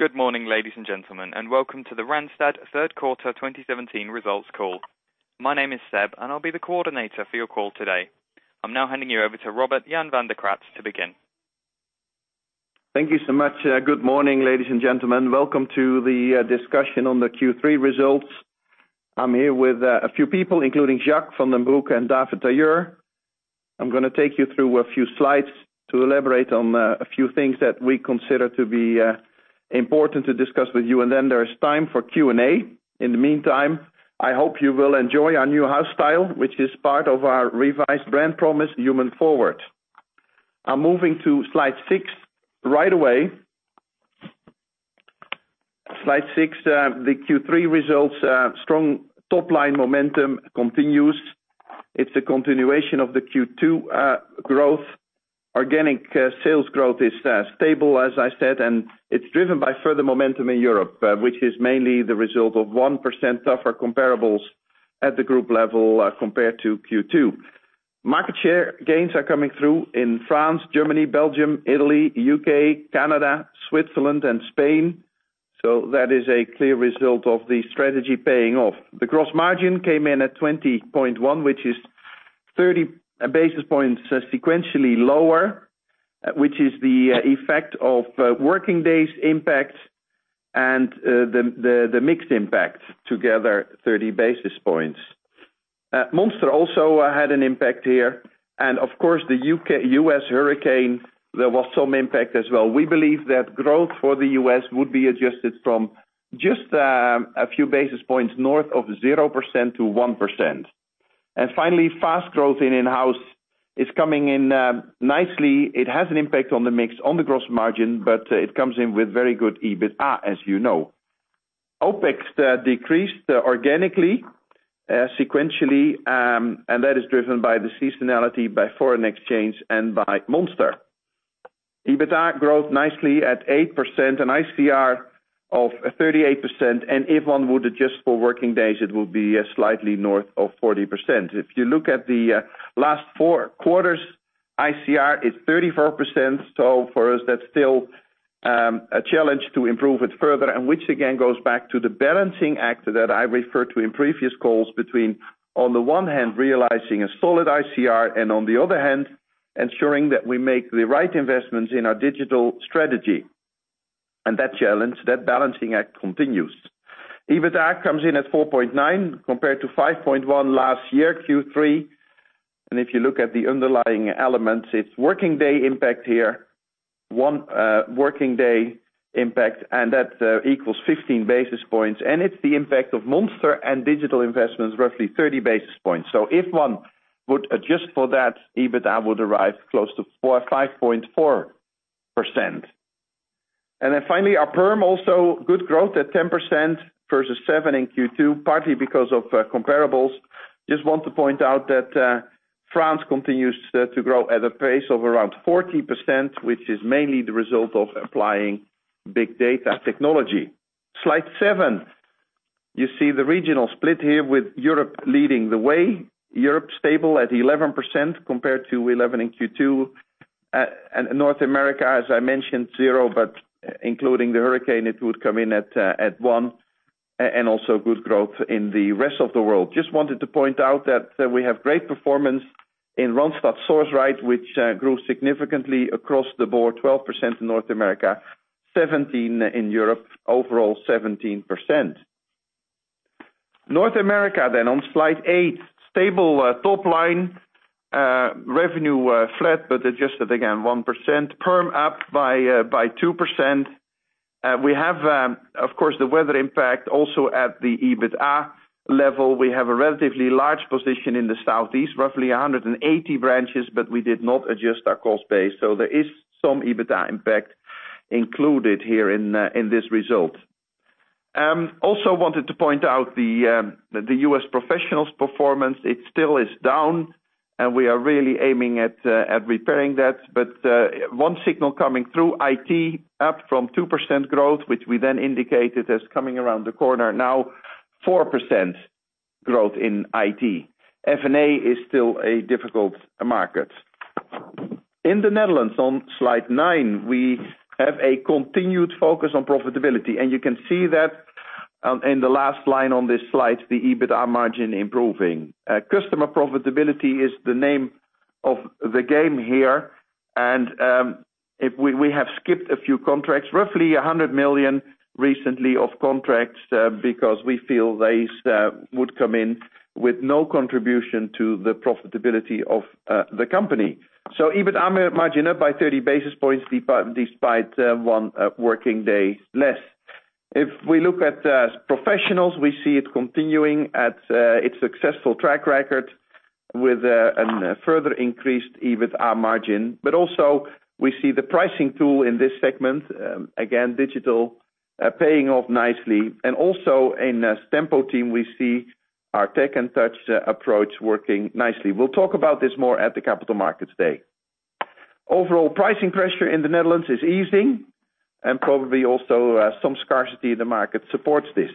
Good morning, ladies and gentlemen, and welcome to the Randstad third quarter 2017 results call. My name is Seb, and I'll be the coordinator for your call today. I'm now handing you over to Robert Jan van de Kraats to begin. Thank you so much. Good morning, ladies and gentlemen. Welcome to the discussion on the Q3 results. I'm here with a few people, including Jacques van den Broek and David Tailleur. I'm going to take you through a few slides to elaborate on a few things that we consider to be important to discuss with you, and then there is time for Q&A. In the meantime, I hope you will enjoy our new house style, which is part of our revised brand promise, Human Forward. I'm moving to slide six right away. Slide six, the Q3 results. Strong top-line momentum continues. It's a continuation of the Q2 growth. Organic sales growth is stable, as I said, and it's driven by further momentum in Europe, which is mainly the result of 1% tougher comparables at the group level compared to Q2. Market share gains are coming through in France, Germany, Belgium, Italy, U.K., Canada, Switzerland, and Spain. That is a clear result of the strategy paying off. The gross margin came in at 20.1, which is 30 basis points sequentially lower, which is the effect of working days impact and the mix impact together 30 basis points. Monster also had an impact here, and of course, the U.S. hurricane, there was some impact as well. We believe that growth for the U.S. would be adjusted from just a few basis points north of 0% to 1%. Finally, fast growth in in-house is coming in nicely. It has an impact on the mix on the gross margin, but it comes in with very good EBITA, as you know. OpEx decreased organically, sequentially, and that is driven by the seasonality by foreign exchange and by Monster. EBITA growth nicely at 8%, an ICR of 38%, and if one would adjust for working days, it will be slightly north of 40%. If you look at the last four quarters, ICR is 34%. For us, that's still a challenge to improve it further, and which again goes back to the balancing act that I referred to in previous calls between, on the one hand, realizing a solid ICR and on the other hand, ensuring that we make the right investments in our digital strategy. That challenge, that balancing act continues. EBITA comes in at 4.9 compared to 5.1 last year, Q3. If you look at the underlying elements, it's working day impact here, one working day impact, and that equals 15 basis points. It's the impact of Monster and digital investments, roughly 30 basis points. If one would adjust for that, EBITA would arrive close to 5.4%. Finally, our perm also, good growth at 10% versus 7% in Q2, partly because of comparables. Just want to point out that France continues to grow at a pace of around 40%, which is mainly the result of applying big data technology. Slide seven. You see the regional split here with Europe leading the way. Europe stable at 11% compared to 11% in Q2. North America, as I mentioned, 0%, but including the hurricane, it would come in at 1%, and also good growth in the rest of the world. Just wanted to point out that we have great performance in Randstad Sourceright, which grew significantly across the board, 12% in North America, 17% in Europe, overall 17%. North America on slide eight, stable top line, revenue flat, but adjusted again, 1%, perm up by 2%. We have, of course, the weather impact also at the EBITA level. We have a relatively large position in the Southeast, roughly 180 branches, but we did not adjust our cost base. There is some EBITA impact included here in this result. Also wanted to point out the U.S. professionals performance. It still is down, and we are really aiming at repairing that. One signal coming through, IT up from 2% growth, which we then indicated as coming around the corner. Now 4% growth in IT. F&A is still a difficult market. In the Netherlands on slide nine, we have a continued focus on profitability, and you can see that in the last line on this slide, the EBITA margin improving. Customer profitability is the name of the game here. We have skipped a few contracts, roughly 100 million recently of contracts because we feel these would come in with no contribution to the profitability of the company. EBITA margin up by 30 basis points despite one working day less. If we look at professionals, we see it continuing at its successful track record with a further increased EBITA margin. Also we see the pricing tool in this segment, again, digital, paying off nicely. Also in Tempo-Team, we see our Tech and Touch approach working nicely. We'll talk about this more at the Capital Markets Day. Overall, pricing pressure in the Netherlands is easing and probably also some scarcity in the market supports this.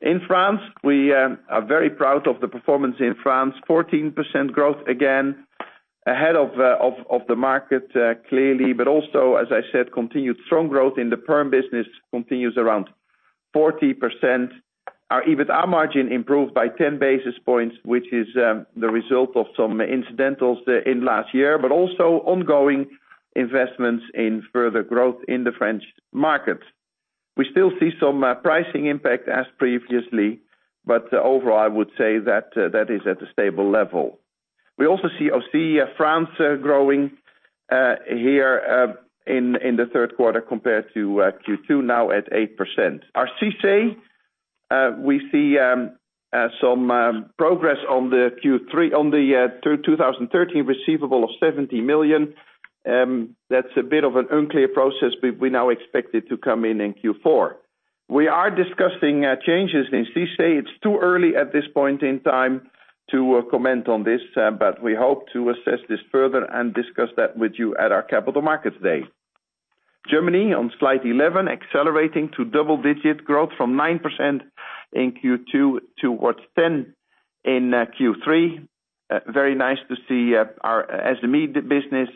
In France, we are very proud of the performance in France, 14% growth again, ahead of the market clearly. As I said, continued strong growth in the perm business continues around 40%. Our EBITA margin improved by 10 basis points, which is the result of some incidentals in last year. Also ongoing investments in further growth in the French market. We still see some pricing impact as previously. Overall, I would say that is at a stable level. We also see Ausy France growing here in the third quarter compared to Q2, now at 8%. Our CICE, we see some progress on the 2013 receivable of 70 million. That's a bit of an unclear process. We now expect it to come in Q4. We are discussing changes in CICE. It's too early at this point in time to comment on this, but we hope to assess this further and discuss that with you at our Capital Markets Day. Germany on slide 11, accelerating to double-digit growth from 9% in Q2 towards 10% in Q3. Very nice to see as the SME business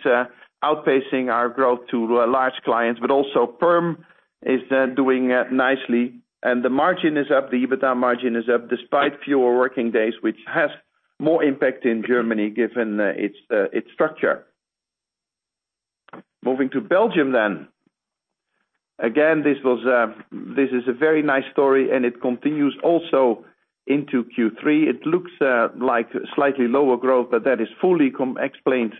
outpacing our growth to large clients, but also perm is doing nicely and the margin is up, the EBITA margin is up despite fewer working days, which has more impact in Germany given its structure. Moving to Belgium. Again, this is a very nice story, and it continues also into Q3. It looks like slightly lower growth, but that is fully explained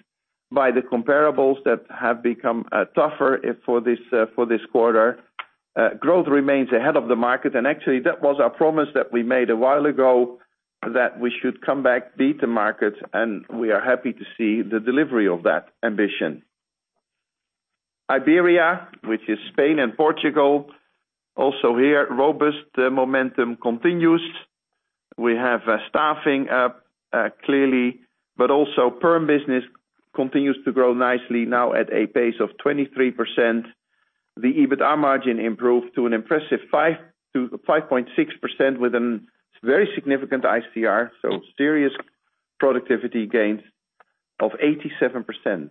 by the comparables that have become tougher for this quarter. Growth remains ahead of the market. Actually, that was our promise that we made a while ago that we should come back, beat the market, and we are happy to see the delivery of that ambition. Iberia, which is Spain and Portugal. Also here, robust momentum continues. We have staffing up clearly, but also perm business continues to grow nicely now at a pace of 23%. The EBITA margin improved to an impressive 5.6% with a very significant ICR, so serious productivity gains of 87%.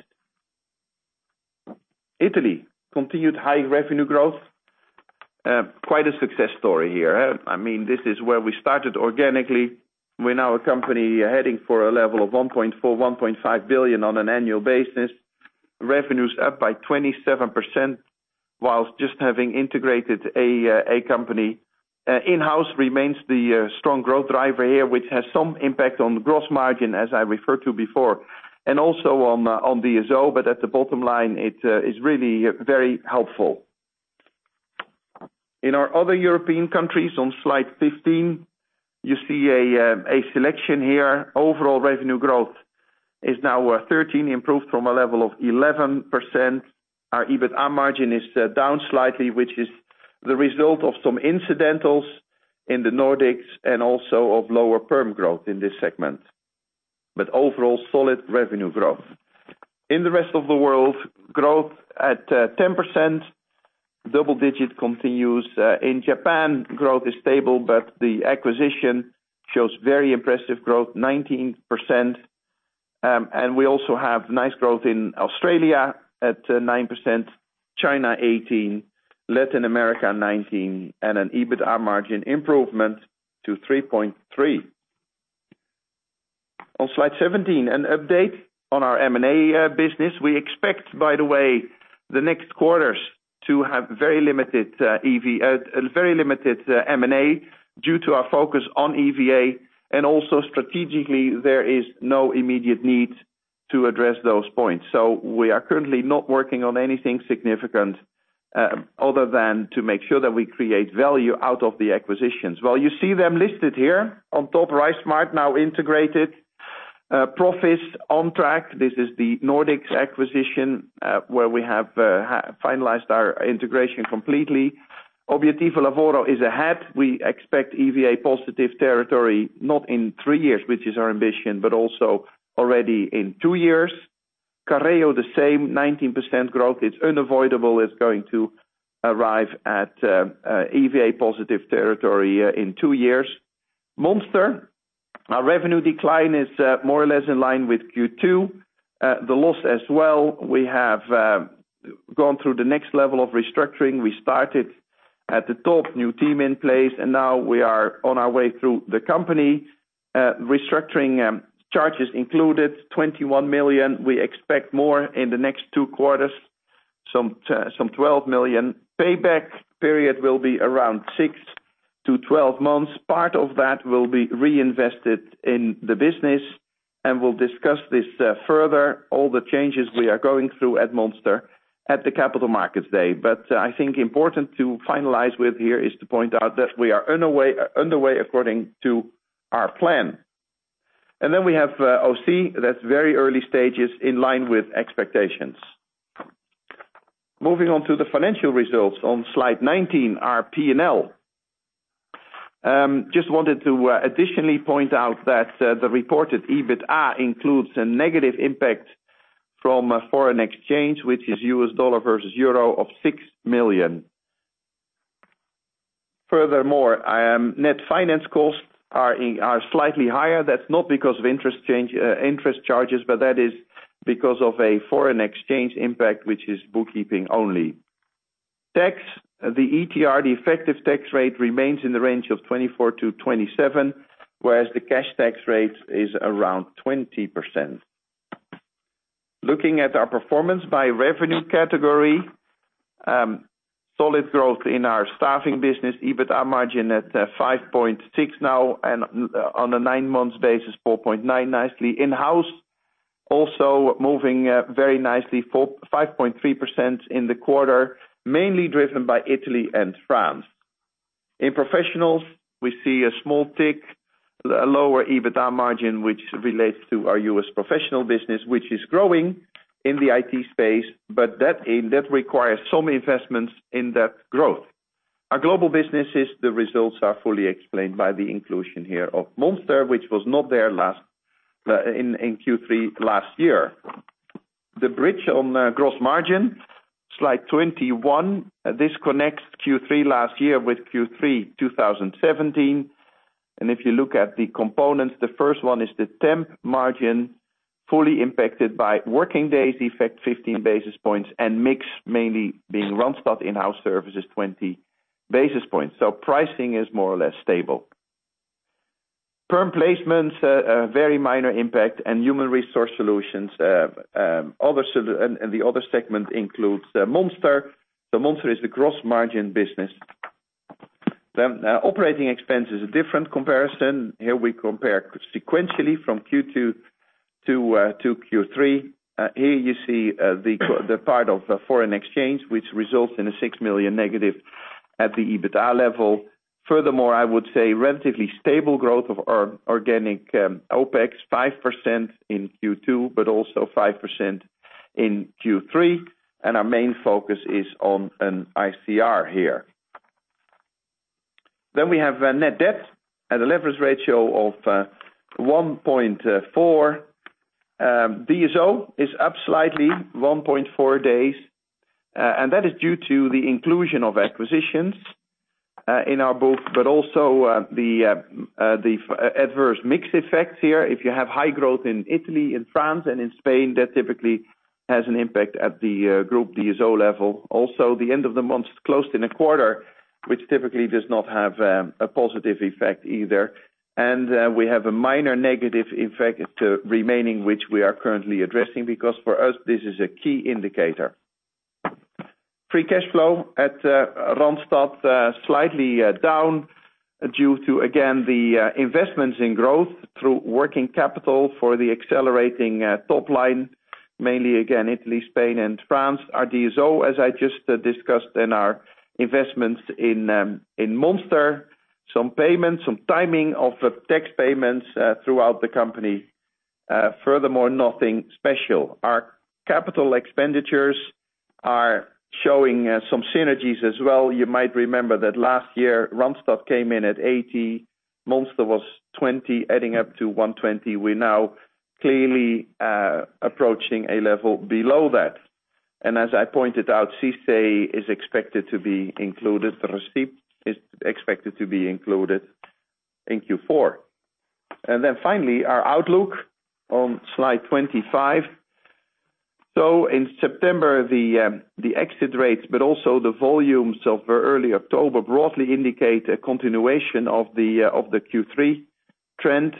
Italy, continued high revenue growth. Quite a success story here. This is where we started organically. We're now a company heading for a level of 1.4 billion-1.5 billion on an annual basis. Revenue's up by 27%, whilst just having integrated a company. In-house remains the strong growth driver here, which has some impact on the gross margin, as I referred to before, and also on the OZO, but at the bottom line, it is really very helpful. In our other European countries on slide 15, you see a selection here. Overall revenue growth is now 13%, improved from a level of 11%. Our EBITA margin is down slightly, which is the result of some incidentals in the Nordics and also of lower perm growth in this segment. Overall, solid revenue growth. In the rest of the world, growth at 10%. Double digit continues. In Japan, growth is stable, but the acquisition shows very impressive growth, 19%. We also have nice growth in Australia at 9%, China 18%, Latin America 19%, and an EBITA margin improvement to 3.3%. On slide 17, an update on our M&A business. We expect, by the way, the next quarters to have very limited M&A due to our focus on EVA, and also strategically, there is no immediate need to address those points. We are currently not working on anything significant other than to make sure that we create value out of the acquisitions. You see them listed here. On top, RiseSmart now integrated. Proffice on track. This is the Nordics acquisition, where we have finalized our integration completely. Obiettivo Lavoro is ahead. We expect EVA positive territory, not in three years, which is our ambition, but also already in two years. Careo, the same, 19% growth. It's unavoidable it's going to arrive at EVA positive territory in two years. Monster, our revenue decline is more or less in line with Q2. The loss as well. We have gone through the next level of restructuring. We started at the top, new team in place. Now we are on our way through the company. Restructuring charges included 21 million. We expect more in the next two quarters, some 12 million. Payback period will be around 6 to 12 months. Part of that will be reinvested in the business, and we'll discuss this further, all the changes we are going through at Monster at the Capital Markets Day. I think important to finalize with here is to point out that we are underway according to our plan. We have Ausy, that's very early stages in line with expectations. Moving on to the financial results on slide 19, our P&L. Just wanted to additionally point out that the reported EBITA includes a negative impact from foreign exchange, which is US dollar versus euro of $6 million. Net finance costs are slightly higher. That's not because of interest charges, that is because of a foreign exchange impact, which is bookkeeping only. Tax, the ETR, the effective tax rate remains in the range of 24%-27%, whereas the cash tax rate is around 20%. Looking at our performance by revenue category, solid growth in our staffing business, EBITA margin at 5.6% now and on a nine-month basis, 4.9% nicely. In-house, also moving very nicely, 5.3% in the quarter, mainly driven by Italy and France. In professionals, we see a small tick, a lower EBITA margin, which relates to our U.S. professional business, which is growing in the IT space. That requires some investments in that growth. Our global businesses, the results are fully explained by the inclusion here of Monster, which was not there in Q3 last year. The bridge on gross margin, slide 21. This connects Q3 last year with Q3 2017. If you look at the components, the first one is the temp margin, fully impacted by working days effect 15 basis points, and mix mainly being Randstad Inhouse Services 20 basis points. Pricing is more or less stable. Perm placements, very minor impact and human resource solutions. The other segment includes Monster. Monster is the gross margin business. Operating expense is a different comparison. Here we compare sequentially from Q2 to Q3. Here you see the part of foreign exchange, which results in a 6 million negative at the EBITA level. I would say relatively stable growth of our organic OpEx, 5% in Q2, also 5% in Q3. Our main focus is on an ICR here. We have net debt at a leverage ratio of 1.4. DSO is up slightly, 1.4 days. That is due to the inclusion of acquisitions in our book, also the adverse mix effects here. If you have high growth in Italy, in France and in Spain, that typically has an impact at the group DSO level. The end of the month closed in a quarter, which typically does not have a positive effect either. We have a minor negative effect remaining, which we are currently addressing, because for us, this is a key indicator. Free cash flow at Randstad, slightly down due to, again, the investments in growth through working capital for the accelerating top line, mainly again, Italy, Spain and France. Our DSO, as I just discussed, and our investments in Monster. Some timing of tax payments throughout the company. Nothing special. Our Capital Expenditures are showing some synergies as well. You might remember that last year, Randstad came in at 80, Monster was 20, adding up to 120. We're now clearly approaching a level below that. As I pointed out, CICE is expected to be included, receipt is expected to be included in Q4. Finally, our outlook on slide 25. In September, the exit rates, but also the volumes of early October broadly indicate a continuation of the Q3 trend.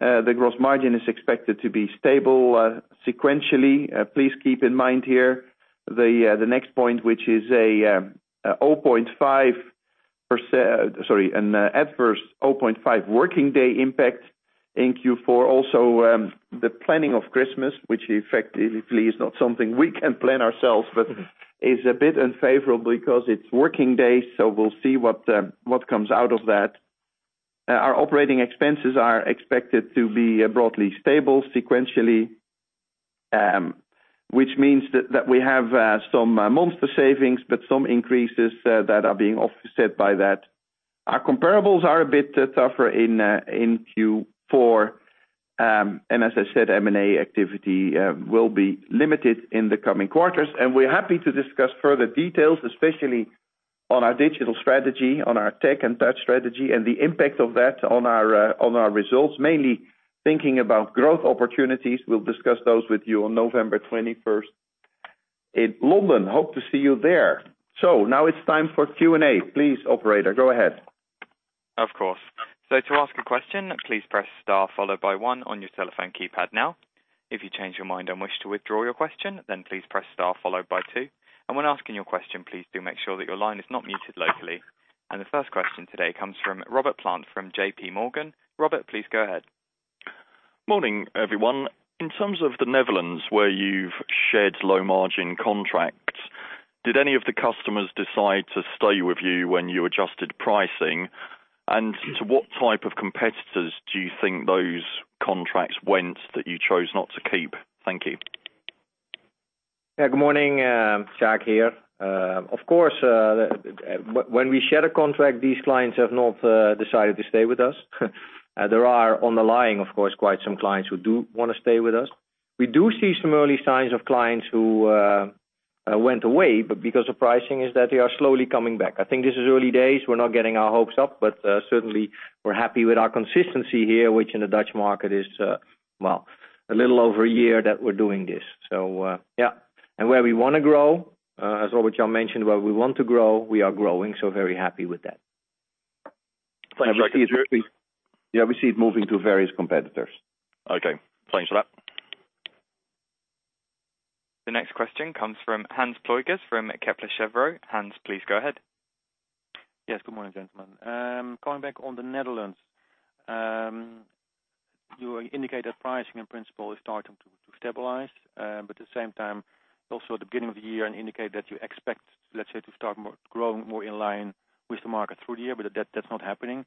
The gross margin is expected to be stable sequentially. Please keep in mind here the next point, which is an adverse 0.5 working day impact in Q4. The planning of Christmas, which effectively is not something we can plan ourselves, but is a bit unfavorable because it's working days, so we'll see what comes out of that. Our operating expenses are expected to be broadly stable sequentially, which means that we have some Monster savings, but some increases that are being offset by that. Our comparables are a bit tougher in Q4. As I said, M&A activity will be limited in the coming quarters. We're happy to discuss further details, especially on our digital strategy, on our Tech and Touch strategy and the impact of that on our results. Mainly thinking about growth opportunities. We'll discuss those with you on November 21st in London. Hope to see you there. Now it's time for Q&A. Please, operator, go ahead. Of course. To ask a question, please press star followed by 1 on your telephone keypad now. If you change your mind and wish to withdraw your question, then please press star followed by 2. When asking your question, please do make sure that your line is not muted locally. The first question today comes from Robert Plant from J.P. Morgan. Robert, please go ahead. Morning, everyone. In terms of the Netherlands, where you've shed low-margin contracts, did any of the customers decide to stay with you when you adjusted pricing? To what type of competitors do you think those contracts went that you chose not to keep? Thank you. Good morning, Jacques here. Of course, when we share the contract, these clients have not decided to stay with us. There are, on the line, of course, quite some clients who do want to stay with us. We do see some early signs of clients who went away, but because of pricing, is that they are slowly coming back. I think this is early days. We're not getting our hopes up, but certainly, we're happy with our consistency here, which in the Dutch market is a little over a year that we're doing this. Yeah. Where we want to grow, as Robert Jan mentioned, where we want to grow, we are growing. Very happy with that. Yeah. We see it moving to various competitors. Okay. Thanks for that. The next question comes from Hans Pluijgers from Kepler Cheuvreux. Hans, please go ahead. Yes. Good morning, gentlemen. Coming back on the Netherlands. You indicate that pricing in principle is starting to stabilize. At the same time, also at the beginning of the year indicated that you expect, let's say, to start growing more in line with the market through the year, but that's not happening.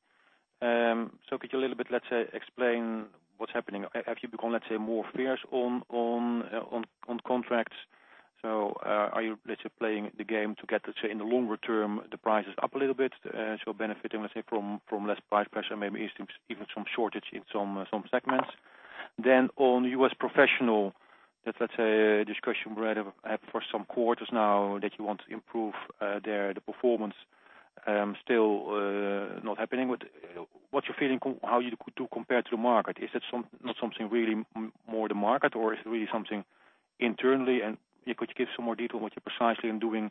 Could you a little bit, let's say, explain what's happening. Have you become, let's say, more fierce on contracts? Are you, let's say, playing the game to get, let's say, in the longer term, the prices up a little bit, so benefiting, let's say, from less price pressure, maybe even some shortage in some segments? On U.S. Professional, that's a discussion we had for some quarters now that you want to improve there the performance, still not happening. What's your feeling how you do compare to the market? Is it not something really more the market or is it really something internally? Could you give some more detail on what you precisely are doing,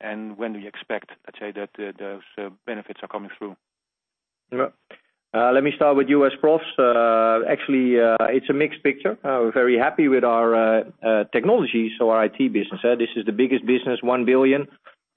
and when do you expect, let's say, that those benefits are coming through? Let me start with U.S. Profs. Actually, it's a mixed picture. We're very happy with our technology. Our IT business. This is the biggest business, 1 billion.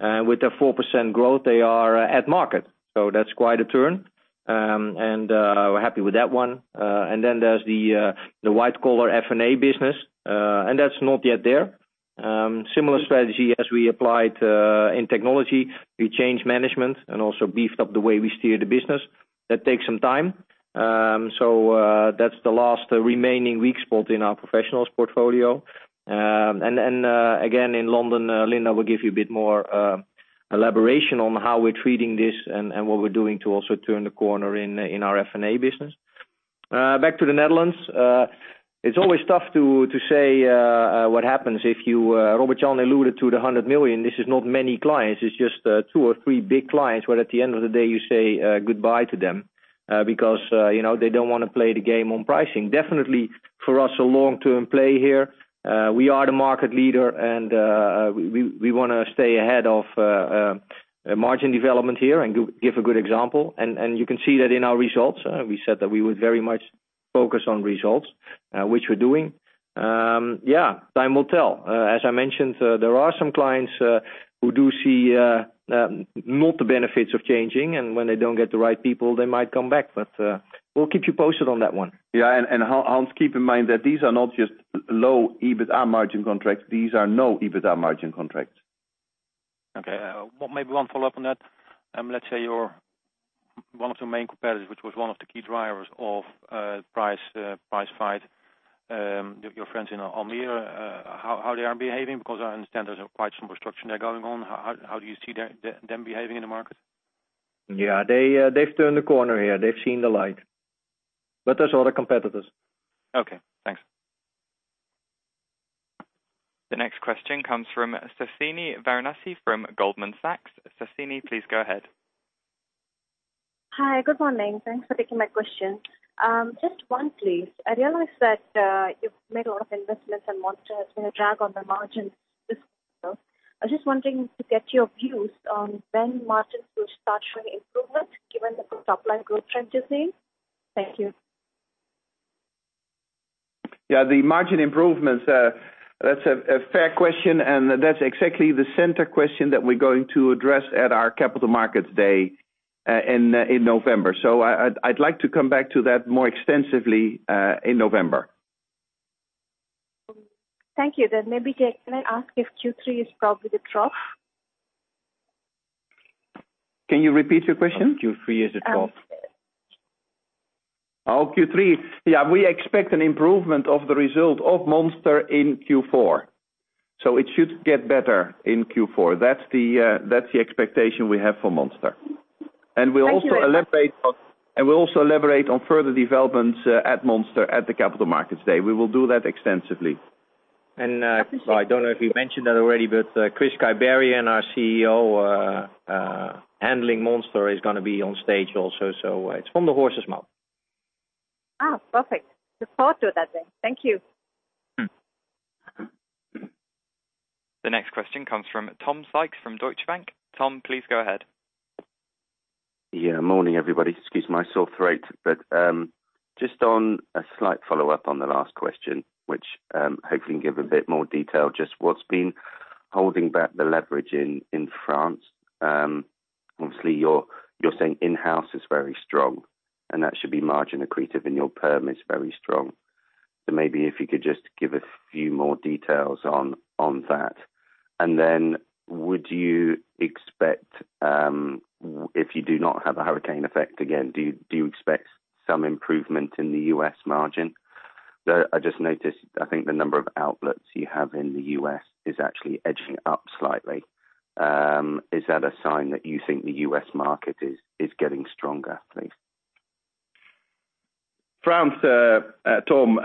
With a 4% growth, they are at market. That's quite a turn. We're happy with that one. Then there's the white collar F&A business. That's not yet there. Similar strategy as we applied in technology. We changed management and also beefed up the way we steer the business. That takes some time. That's the last remaining weak spot in our professionals portfolio. Again, in London, Linda will give you a bit more elaboration on how we're treating this and what we're doing to also turn the corner in our F&A business. Back to the Netherlands. It's always tough to say what happens. Robert Jan alluded to the 100 million. This is not many clients. It's just two or three big clients, where at the end of the day, you say goodbye to them. They don't want to play the game on pricing. Definitely for us, a long-term play here. We are the market leader, and we want to stay ahead of margin development here and give a good example. You can see that in our results. We said that we would very much focus on results, which we're doing. Yeah, time will tell. As I mentioned, there are some clients who do see not the benefits of changing, and when they don't get the right people, they might come back. We'll keep you posted on that one. Yeah. Hans, keep in mind that these are not just low EBITA margin contracts. These are no EBITA margin contracts. Okay. Maybe one follow-up on that. Let's say one of the main competitors, which was one of the key drivers of price fight, your friends in Almere, how they are behaving, because I understand there's quite some restructuring there going on. How do you see them behaving in the market? Yeah. They've turned the corner here. They've seen the light. There's other competitors. Okay, thanks. The next question comes from Suhasini Varanasi from Goldman Sachs. Suhasini, please go ahead. Hi. Good morning. Thanks for taking my question. Just one, please. I realize that you've made a lot of investments in Monster, it's been a drag on the margins this quarter. I was just wanting to get your views on when margins will start showing improvement given the top line growth trend you're seeing. Thank you. Yeah, the margin improvements, that's a fair question, and that's exactly the center question that we're going to address at our Capital Markets Day in November. I'd like to come back to that more extensively in November. Thank you. Maybe, Jacques, can I ask if Q3 is probably the trough? Can you repeat your question? Q3 is the trough. Oh, Q3. We expect an improvement of the result of Monster in Q4. It should get better in Q4. That's the expectation we have for Monster. Thank you. We'll also elaborate on further developments at Monster at the Capital Markets Day. We will do that extensively. Well, I don't know if you mentioned that already, Chris Kibarian, our CEO, handling Monster, is going to be on stage also, it's from the horse's mouth. Perfect. Look forward to that day. Thank you. The next question comes from Tom Sykes from Deutsche Bank. Tom, please go ahead. Morning, everybody. Excuse my sore throat. Just on a slight follow-up on the last question, which hopefully can give a bit more detail, just what's been holding back the leverage in France. Obviously, you're saying in-house is very strong, and that should be margin accretive, and your perm is very strong. Maybe if you could just give a few more details on that. Would you expect, if you do not have a hurricane effect again, do you expect some improvement in the U.S. margin? I just noticed, I think the number of outlets you have in the U.S. is actually edging up slightly. Is that a sign that you think the U.S. market is getting stronger, please? France, Tom,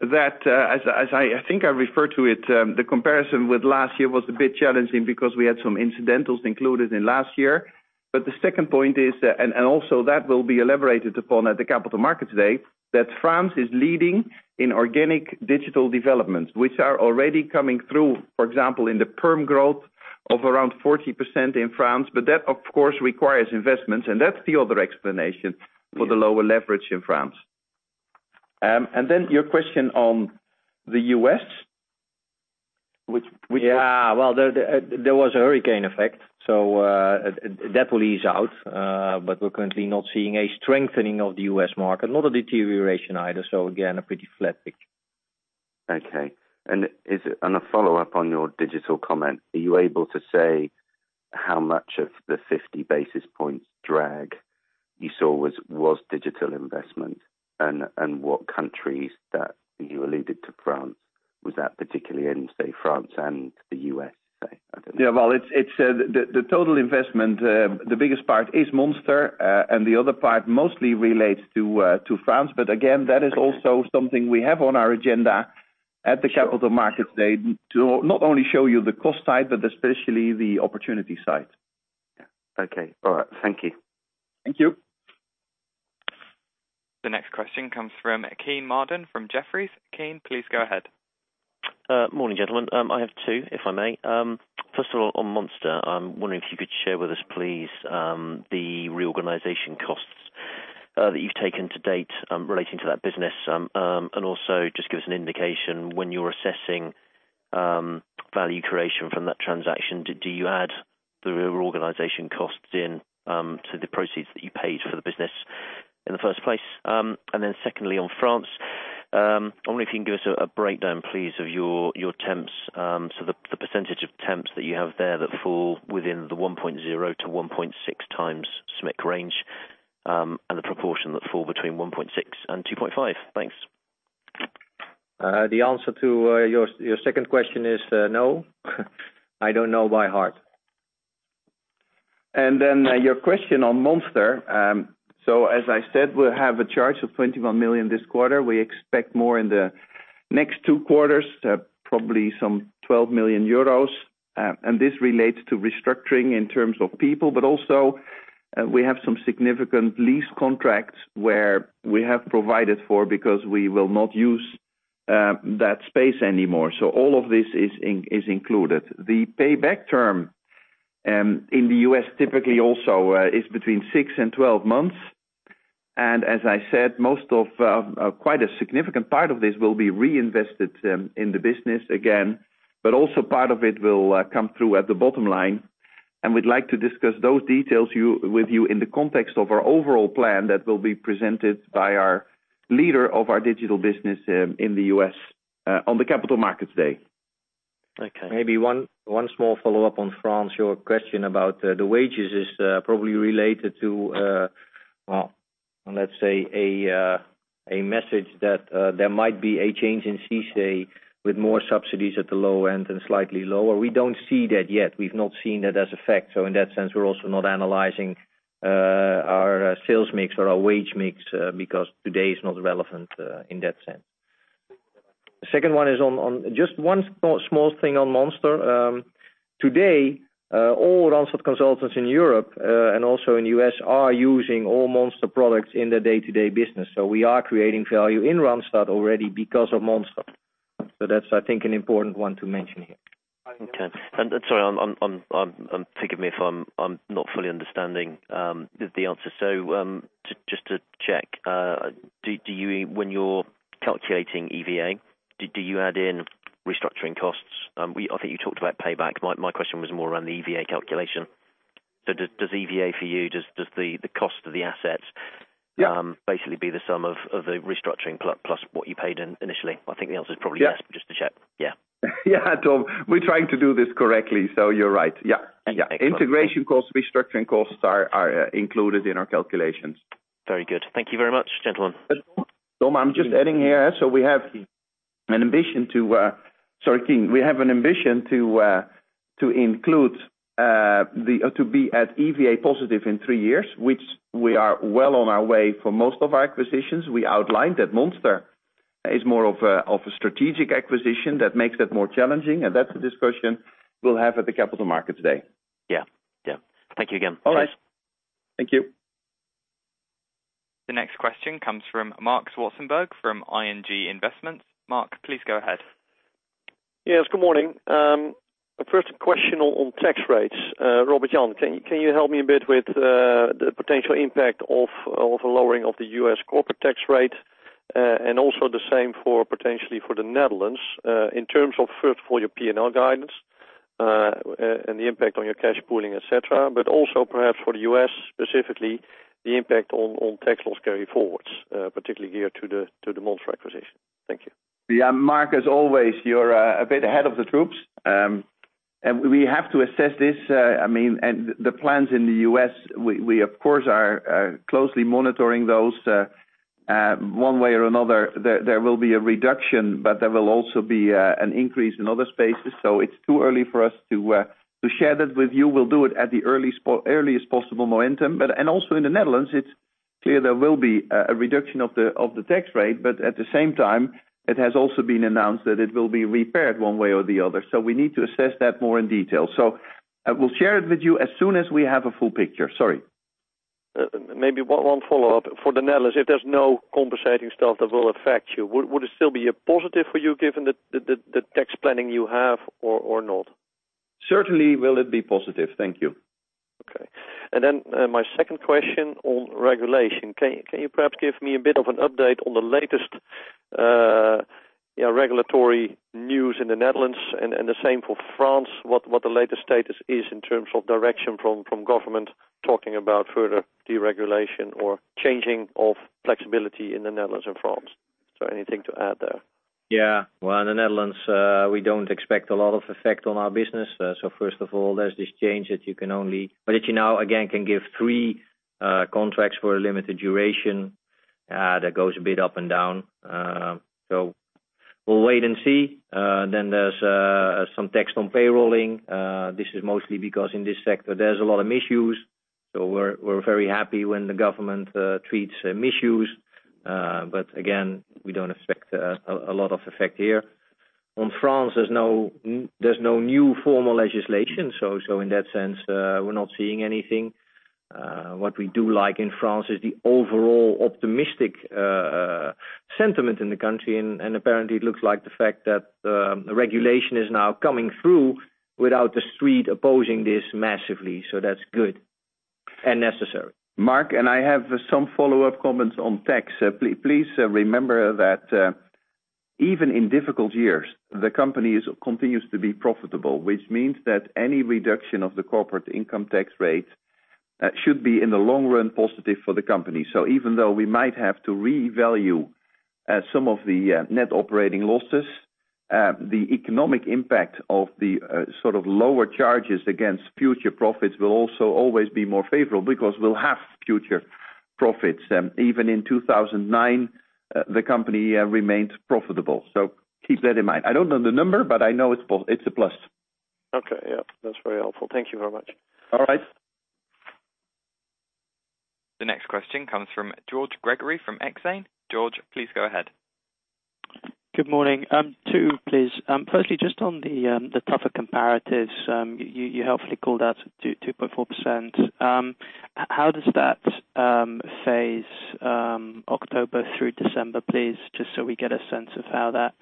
that as I think I referred to it, the comparison with last year was a bit challenging because we had some incidentals included in last year. The second point is, and also that will be elaborated upon at the Capital Markets Day, that France is leading in organic digital development, which are already coming through, for example, in the perm growth of around 40% in France. That, of course, requires investments, and that's the other explanation for the lower leverage in France. Your question on the U.S. Yeah. There was a hurricane effect, definitely is out. We're currently not seeing a strengthening of the U.S. market, not a deterioration either. Again, a pretty flat pick. A follow-up on your digital comment. Are you able to say how much of the 50 basis points drag you saw was digital investment? What countries that you alluded to France, was that particularly in France and the U.S.? The total investment, the biggest part is Monster, the other part mostly relates to France. Again, that is also something we have on our agenda at the Capital Markets Day to not only show you the cost side, but especially the opportunity side. Yeah. Okay. All right. Thank you. Thank you. The next question comes from Kean Marden from Jefferies. Kean, please go ahead. Morning, gentlemen. I have two, if I may. First of all, on Monster, I'm wondering if you could share with us, please, the reorganization costs that you've taken to date, relating to that business. Also just give us an indication when you're assessing value creation from that transaction, do you add the reorganization costs in to the proceeds that you paid for the business in the first place? Secondly, on France, I wonder if you can give us a breakdown, please, of your temps. The percentage of temps that you have there that fall within the 1.0 to 1.6 times SMIC range, and the proportion that fall between 1.6 and 2.5. Thanks. The answer to your second question is no. I do not know by heart. Your question on Monster. As I said, we will have a charge of 21 million this quarter. We expect more in the next two quarters, probably some 12 million euros. This relates to restructuring in terms of people, but also we have some significant lease contracts where we have provided for because we will not use that space anymore. All of this is included. The payback term in the U.S. typically also is between six and 12 months. As I said, quite a significant part of this will be reinvested in the business again, but also part of it will come through at the bottom line, and we would like to discuss those details with you in the context of our overall plan that will be presented by our leader of our digital business in the U.S., on the Capital Markets Day. Okay. Maybe one small follow-up on France. Your question about the wages is probably related to, well, let's say, a message that there might be a change in CICE with more subsidies at the low end and slightly lower. We do not see that yet. We have not seen that as a fact. In that sense, we are also not analyzing our sales mix or our wage mix, because today is not relevant in that sense. The second one is on just one small thing on Monster. Today, all Randstad consultants in Europe, and also in U.S. are using all Monster products in their day-to-day business. We are creating value in Randstad already because of Monster. That is, I think, an important one to mention here. Okay. Sorry, forgive me if I am not fully understanding the answer. Just to check, when you are calculating EVA, do you add in restructuring costs? I think you talked about payback. My question was more around the EVA calculation. Does EVA for you, does the cost of the assets. Yeah basically be the sum of the restructuring plus what you paid in initially? I think the answer is probably yes. Yeah. Just to check. Yeah. Yeah, Tom. We're trying to do this correctly, so you're right. Yeah. Yeah. Excellent. Integration costs, restructuring costs are included in our calculations. Very good. Thank you very much, gentlemen. Tom, I'm just adding here. Sorry, Kean. We have an ambition to be at EVA positive in three years, which we are well on our way for most of our acquisitions. We outlined that Monster is more of a strategic acquisition that makes that more challenging, that's a discussion we'll have at the Capital Markets Day. Yeah. Thank you again. All right. Thanks. Thank you. The next question comes from Marc Zwartsenburg from ING. Marc, please go ahead. Yes, good morning. First question on tax rates. Robert Jan, can you help me a bit with the potential impact of the lowering of the U.S. corporate tax rate? Also the same potentially for the Netherlands, in terms of first for your P&L guidance and the impact on your cash pooling, et cetera, but also perhaps for the U.S. specifically, the impact on tax loss carryforwards, particularly here to the Monster acquisition. Thank you. Yeah, Marc, as always, you're a bit ahead of the troops. We have to assess this. The plans in the U.S., we, of course, are closely monitoring those. One way or another, there will be a reduction, but there will also be an increase in other spaces. It's too early for us to share that with you. We'll do it at the earliest possible momentum. Also in the Netherlands, it's clear there will be a reduction of the tax rate, but at the same time, it has also been announced that it will be repaired one way or the other. We need to assess that more in detail. We'll share it with you as soon as we have a full picture. Sorry. Maybe one follow-up for the Netherlands. If there's no compensating stuff that will affect you, would it still be a positive for you given the tax planning you have or not? Certainly will it be positive. Thank you. Okay. My second question on regulation. Can you perhaps give me a bit of an update on the latest regulatory news in the Netherlands and the same for France, what the latest status is in terms of direction from government talking about further deregulation or changing of flexibility in the Netherlands and France? Is there anything to add there? Yeah. In the Netherlands, we don't expect a lot of effect on our business. First of all, there's this change that you now again can give three contracts for a limited duration. That goes a bit up and down. We'll wait and see. There's some tax on payrolling. This is mostly because in this sector, there's a lot of misuse. We're very happy when the government treats misuse. Again, we don't expect a lot of effect here. On France, there's no new formal legislation. In that sense, we're not seeing anything. What we do like in France is the overall optimistic sentiment in the country, and apparently it looks like the fact that the regulation is now coming through without the street opposing this massively. That's good and necessary. Marc, I have some follow-up comments on tax. Please remember that even in difficult years, the company continues to be profitable, which means that any reduction of the corporate income tax rate should be, in the long run, positive for the company. Even though we might have to revalue some of the net operating losses, the economic impact of the lower charges against future profits will also always be more favorable because we'll have future profits. Even in 2009, the company remained profitable. Keep that in mind. I don't know the number, but I know it's a plus. Okay. Yeah. That's very helpful. Thank you very much. All right. The next question comes from George Gregory from Exane. George, please go ahead. Good morning. Two, please. Firstly, just on the tougher comparatives. You helpfully called out 2.4%. How does that phase October through December, please? Just so we get a sense of how that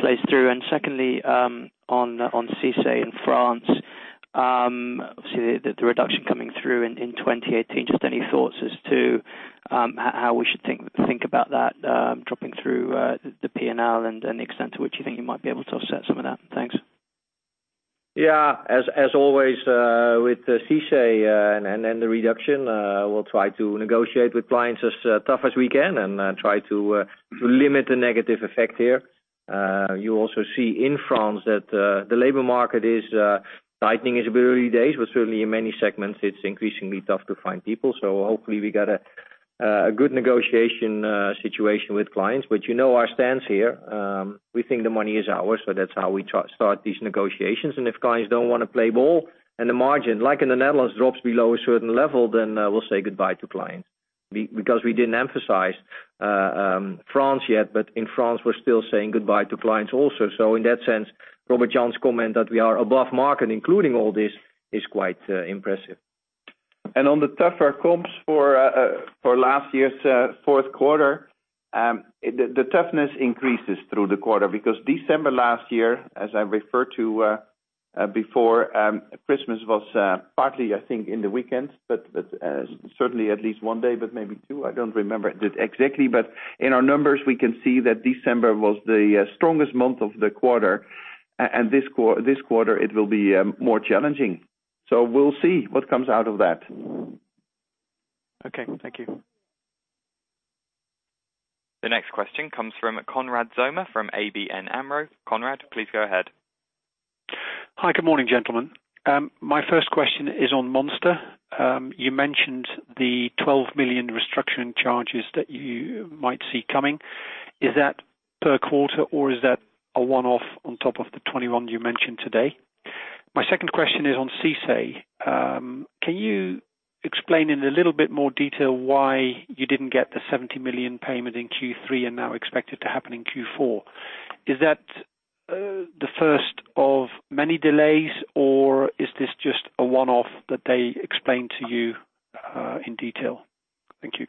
plays through. Secondly, on CICE in France. Obviously, the reduction coming through in 2018. Just any thoughts as to how we should think about that dropping through the P&L and the extent to which you think you might be able to offset some of that. Thanks. As always with CICE and the reduction, we'll try to negotiate with clients as tough as we can and try to limit the negative effect here. You also see in France that the labor market is tightening. It's a bit early days, but certainly in many segments, it's increasingly tough to find people. Hopefully, we got a good negotiation situation with clients. You know our stance here. We think the money is ours, that's how we start these negotiations. If clients don't want to play ball and the margin, like in the Netherlands, drops below a certain level, then we'll say goodbye to clients. We didn't emphasize France yet, but in France, we're still saying goodbye to clients also. In that sense, Robert Jan's comment that we are above market, including all this, is quite impressive. On the tougher comps for last year's fourth quarter, the toughness increases through the quarter because December last year, as I referred to before, Christmas was partly, I think, in the weekends, but certainly at least one day, but maybe two. I don't remember it exactly. In our numbers, we can see that December was the strongest month of the quarter, and this quarter, it will be more challenging. We'll see what comes out of that. Okay. Thank you. The next question comes from Konrad Zomer from ABN AMRO. Konrad, please go ahead. Hi. Good morning, gentlemen. My first question is on Monster. You mentioned the 12 million restructuring charges that you might see coming. Is that per quarter or is that a one-off on top of the 21 million you mentioned today? My second question is on CICE. Can you explain in a little bit more detail why you didn't get the 70 million payment in Q3 and now expect it to happen in Q4? Is that the first of many delays, or is this just a one-off that they explained to you in detail? Thank you.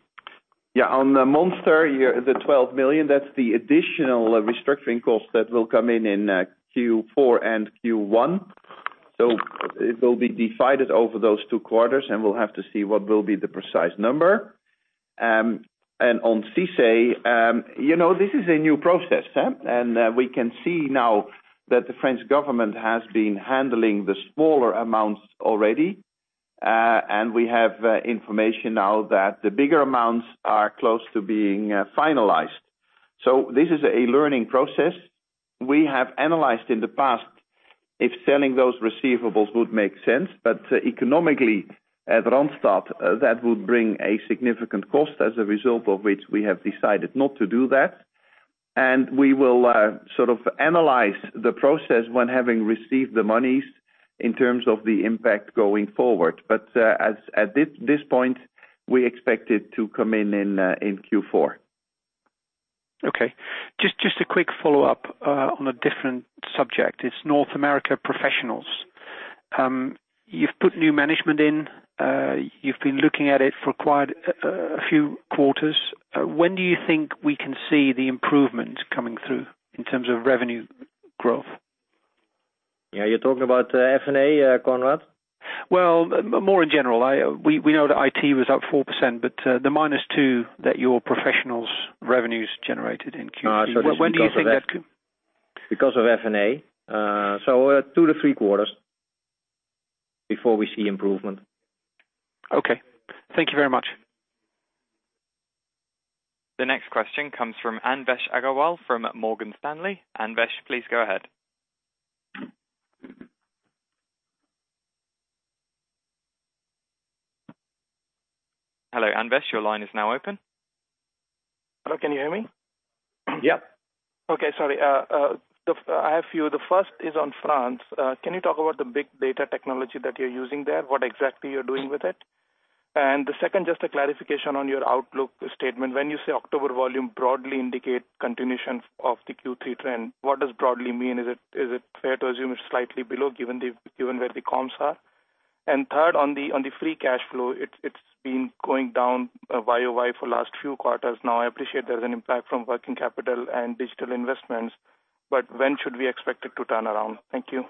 On Monster, the 12 million, that's the additional restructuring cost that will come in in Q4 and Q1. It will be divided over those two quarters, and we'll have to see what will be the precise number. On CICE, this is a new process. We can see now that the French government has been handling the smaller amounts already, and we have information now that the bigger amounts are close to being finalized. This is a learning process. We have analyzed in the past if selling those receivables would make sense, but economically, at Randstad, that would bring a significant cost as a result of which we have decided not to do that. We will analyze the process when having received the monies in terms of the impact going forward. At this point, we expect it to come in in Q4. Okay. Just a quick follow-up on a different subject. It's North America professionals. You've put new management in. You've been looking at it for quite a few quarters. When do you think we can see the improvement coming through in terms of revenue growth? You're talking about F&A, Konrad? Well, more in general. We know that IT was up 4%, but the minus two that your professionals revenues generated in Q3. Because of F&A. Two to three quarters before we see improvement. Okay. Thank you very much. The next question comes from Anvesh Agrawal from Morgan Stanley. Anvesh, please go ahead. Hello, Anvesh, your line is now open. Hello, can you hear me? Yep. Okay, sorry. I have a few. The first is on France. Can you talk about the big data technology that you're using there, what exactly you're doing with it? The second, just a clarification on your outlook statement. When you say October volume broadly indicate continuation of the Q3 trend, what does broadly mean? Is it fair to assume it's slightly below, given where the comms are? Third, on the free cash flow, it's been going down YOY for last few quarters now. I appreciate there's an impact from working capital and digital investments, when should we expect it to turn around? Thank you.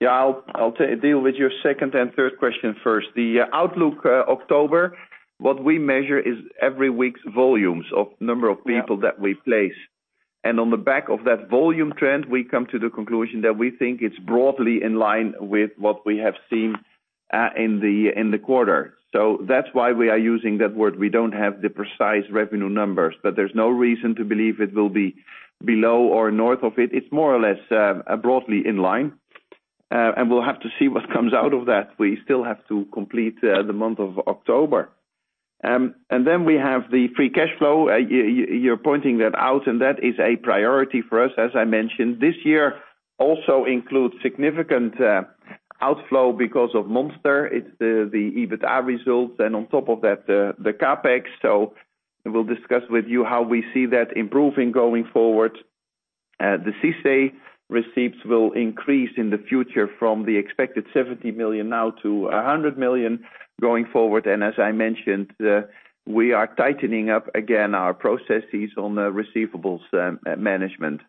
Yeah, I'll deal with your second and third question first. The outlook, October, what we measure is every week's volumes of number of people that we place. On the back of that volume trend, we come to the conclusion that we think it's broadly in line with what we have seen in the quarter. That's why we are using that word. We don't have the precise revenue numbers, but there's no reason to believe it will be below or north of it. It's more or less broadly in line. We'll have to see what comes out of that. We still have to complete the month of October. Then we have the free cash flow. You're pointing that out, and that is a priority for us, as I mentioned. This year also includes significant outflow because of Monster. It's the EBITA results, and on top of that, the CapEx. We'll discuss with you how we see that improving going forward. The CICE receipts will increase in the future from the expected 70 million now to 100 million going forward, and as I mentioned, we are tightening up again our processes on receivables management.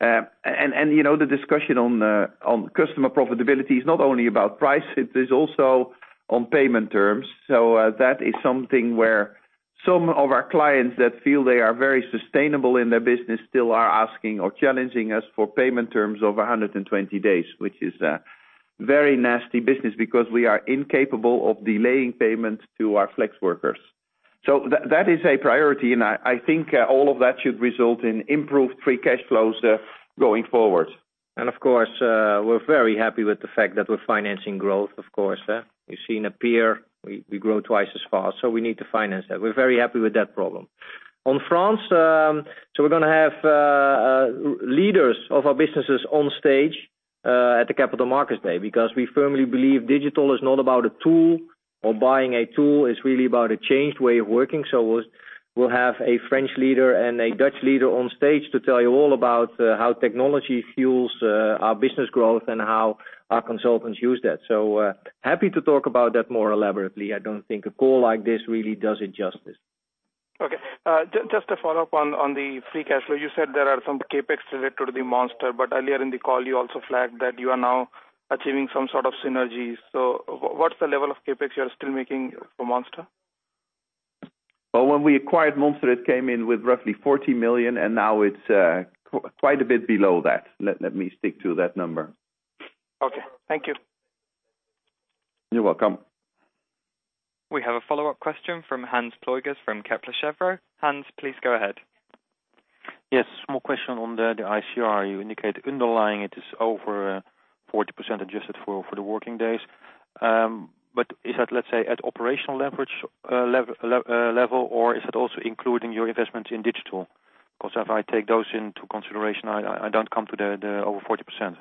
The discussion on customer profitability is not only about price, it is also on payment terms. That is something where some of our clients that feel they are very sustainable in their business still are asking or challenging us for payment terms of 120 days, which is a very nasty business because we are incapable of delaying payments to our flex workers. That is a priority, and I think all of that should result in improved free cash flows going forward. And of course, we're very happy with the fact that we're financing growth, of course. We've seen a peer, we grow twice as fast, we need to finance that. We're very happy with that problem. On France, we're going to have leaders of our businesses on stage at the Capital Markets Day because we firmly believe digital is not about a tool or buying a tool, it's really about a changed way of working. We'll have a French leader and a Dutch leader on stage to tell you all about how technology fuels our business growth and how our consultants use that. Happy to talk about that more elaborately. I don't think a call like this really does it justice. Okay. Just to follow up on the free cash flow, you said there are some CapEx related to the Monster, but earlier in the call, you also flagged that you are now achieving some sort of synergies. What's the level of CapEx you're still making for Monster? Well, when we acquired Monster, it came in with roughly 40 million, and now it's quite a bit below that. Let me stick to that number. Okay. Thank you. You're welcome. We have a follow-up question from Hans Pluijgers from Kepler Cheuvreux. Hans, please go ahead. Yes, small question on the ICR. You indicate underlying it is over 40% adjusted for the working days. Is that, let's say, at operational leverage level, or is it also including your investment in digital? Because if I take those into consideration, I don't come to the over 40%.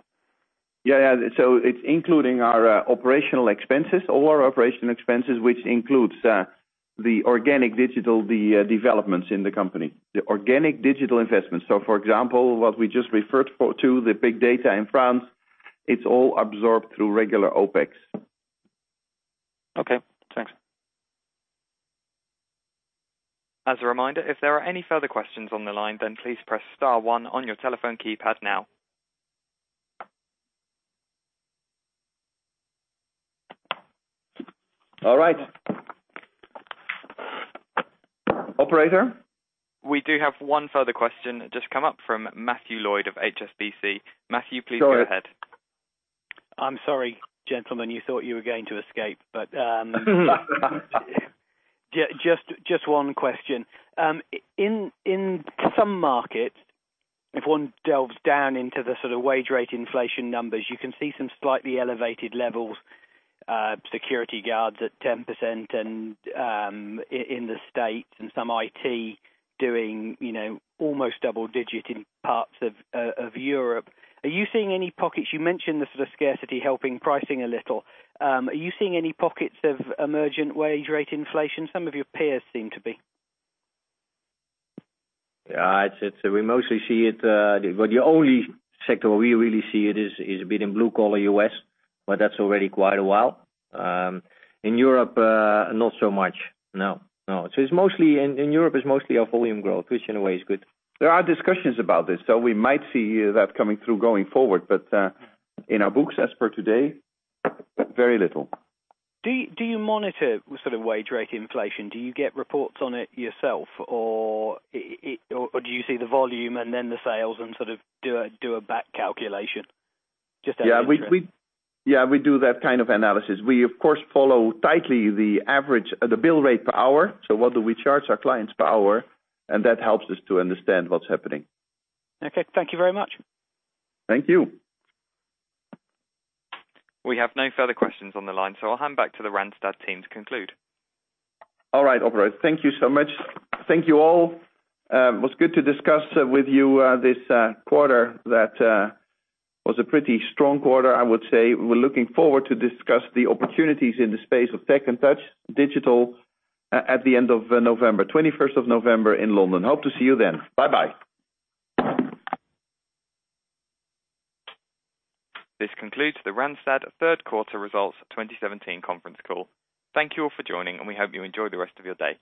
Yeah. It's including our operational expenses, all our operational expenses, which includes the organic digital, the developments in the company, the organic digital investments. For example, what we just referred to, the big data in France, it's all absorbed through regular OpEx. Okay, thanks. As a reminder, if there are any further questions on the line, please press star one on your telephone keypad now. All right. Operator? We do have one further question just come up from Matthew Lloyd of HSBC. Matthew, please go ahead. Sure. I'm sorry, gentlemen, you thought you were going to escape. Just one question. In some markets, if one delves down into the sort of wage rate inflation numbers, you can see some slightly elevated levels, security guards at 10% in the U.S. and some IT doing almost double digit in parts of Europe. Are you seeing any pockets? You mentioned the sort of scarcity helping pricing a little. Are you seeing any pockets of emergent wage rate inflation? Some of your peers seem to be. Yeah. The only sector where we really see it is a bit in blue collar U.S. That's already quite a while. In Europe, not so much. No. In Europe, it's mostly a volume growth, which in a way is good. There are discussions about this, so we might see that coming through going forward. In our books as per today, very little. Do you monitor sort of wage rate inflation? Do you get reports on it yourself or do you see the volume and then the sales and sort of do a back calculation? Just out of interest. Yeah, we do that kind of analysis. We, of course, follow tightly the bill rate per hour, so what do we charge our clients per hour, and that helps us to understand what's happening. Okay. Thank you very much. Thank you. We have no further questions on the line, so I'll hand back to the Randstad team to conclude. All right. Operator, thank you so much. Thank you all. It was good to discuss with you this quarter that was a pretty strong quarter, I would say. We're looking forward to discuss the opportunities in the space of Tech and Touch, digital, at the end of November, 21st of November in London. Hope to see you then. Bye bye. This concludes the Randstad Third Quarter Results 2017 conference call. Thank you all for joining, and we hope you enjoy the rest of your day.